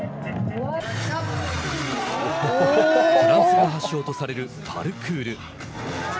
フランスが発祥とされるパルクール。